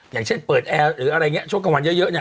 อย่างเช่นเปิดแอร์หรืออะไรอย่างนี้ช่วงกลางวันเยอะเนี่ย